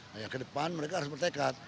nah yang ke depan mereka harus bertekad